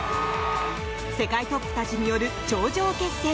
世界トップたちによる頂上決戦。